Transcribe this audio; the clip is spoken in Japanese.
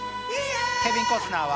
ケビン・コスナーは。